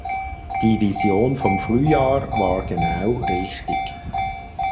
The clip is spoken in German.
Die Vision vom Frühjahr war genau richtig.